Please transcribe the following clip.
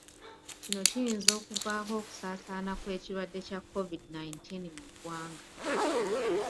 Kino kiyinza okuvaako okusaasaana kw'ekirwadde kya COVID nineteen mu ggwanga.